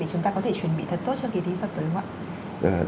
chúng ta có thể chuẩn bị thật tốt cho kỳ thi sắp tới không ạ